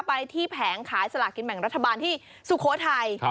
ไปที่แผงขายสลากินแบ่งรัฐบาลที่สุโขทัย